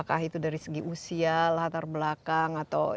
apakah itu dari segi usia latar belakang atau